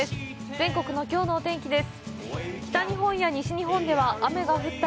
全国のきょうのお天気です。